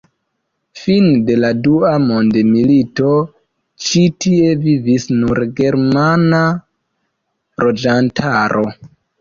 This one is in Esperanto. Fine de la dua mondmilito ĉi tie vivis nur germana loĝantaro.